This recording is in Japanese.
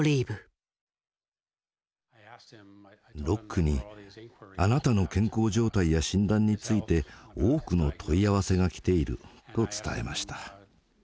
ロックに「あなたの健康状態や診断について多くの問い合わせが来ている」と伝えました。